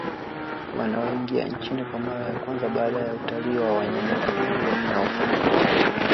Wanaoingia nchini kwa mara ya kwanza baada ya utalii wa wanyamapori na ufukweni